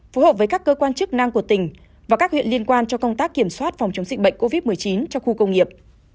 phù hợp với các cơ quan chức năng của tỉnh và các huyện liên quan cho công tác kiểm soát phòng chống dịch bệnh covid một mươi chín cho khu công nghiệp